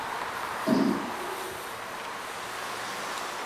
انجینري پوهنځۍ بې ارزوني نه تایید کیږي.